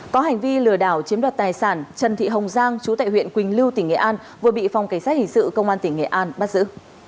có hành vi lừa đảo chiếm đoạt tài sản trần thị hồng giang chú tại huyện quỳnh lưu tỉnh nghệ an vừa bị phòng cảnh sát hình sự công an tỉnh nghệ an bắt giữ